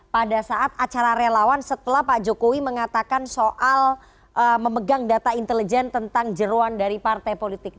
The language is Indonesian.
pada saat acara relawan setelah pak jokowi mengatakan soal memegang data intelijen tentang jeruan dari partai politik